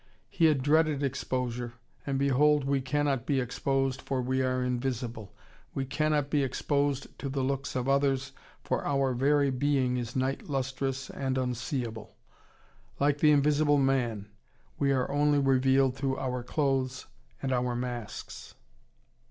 He had dreaded exposure: and behold, we cannot be exposed, for we are invisible. We cannot be exposed to the looks of others, for our very being is night lustrous and unseeable. Like the Invisible Man, we are only revealed through our clothes and our masks.